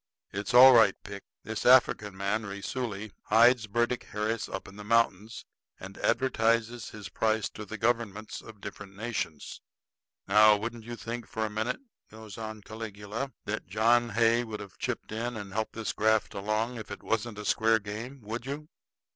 It's all right, Pick. This African man Raisuli hides Burdick Harris up in the mountains, and advertises his price to the governments of different nations. Now, you wouldn't think for a minute," goes on Caligula, "that John Hay would have chipped in and helped this graft along if it wasn't a square game, would you?"